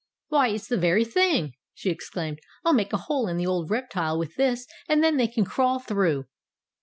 "Why, it's the very thing!" she exclaimed. "I'll make a hole in the old reptile with this, and then they can crawl through."